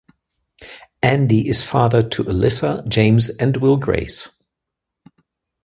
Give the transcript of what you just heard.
Andy is father to Alissa, James and Will Grace.